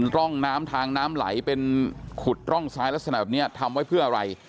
ร่องน้ำทางน้ำไหลเป็นขุดร่องซ้ายลักษณะแบบนี้ทำไว้เพื่ออะไร